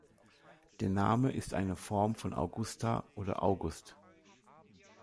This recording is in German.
Der Name ist eine Form von Augusta oder August.